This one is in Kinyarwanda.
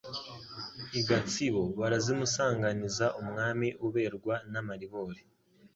I Gatsibo barazimusanganizaUmwami uberwa n' amaribori